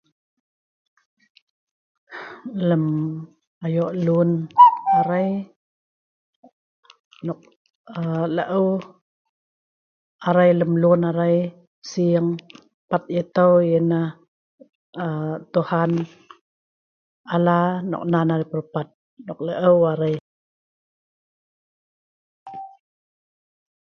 Lem ayo' lun arai, nok aaa laeu arai lem lun arai sieng pat yah tau yah nah aa Tuhan Alla nok nan arai pelpat, nok yaeu arai.